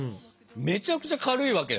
めちゃくちゃ軽いわけよ。